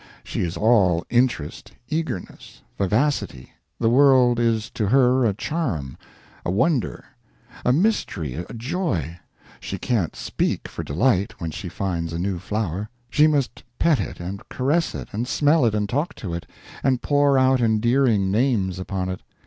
She is all interest, eagerness, vivacity, the world is to her a charm, a wonder, a mystery, a joy; she can't speak for delight when she finds a new flower, she must pet it and caress it and smell it and talk to it, and pour out endearing names upon it.